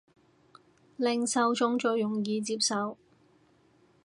令受眾最易接受